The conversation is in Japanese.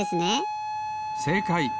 せいかい。